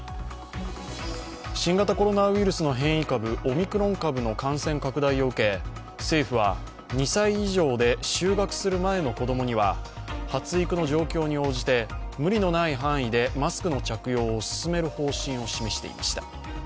新型コロナウイルスの変異株、オミクロン株の感染拡大を受け、政府は２歳以上で就学する前の子供には、発育の状況に応じて無理のない範囲でマスクの着用を勧める方針を示していました。